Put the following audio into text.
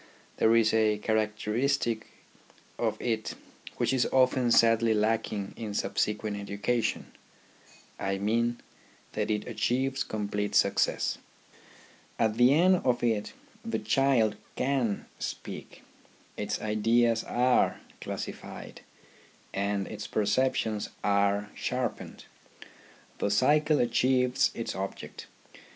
There is a characteristic of it which is often sadly lacking in subsequent education ; I mean, that it achieves complete success. At the end of it the child can speak, its ideas are classified, and its perceptions are sharpened. The cycle achieves its object.